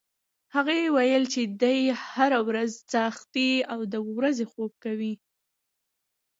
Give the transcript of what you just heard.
هغې ویل چې دی هر وخت څاښتي او د ورځې خوب کوي.